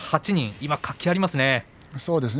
今、活気がありますね。